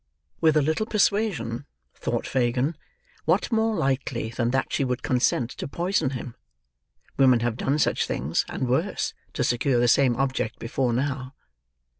"With a little persuasion," thought Fagin, "what more likely than that she would consent to poison him? Women have done such things, and worse, to secure the same object before now.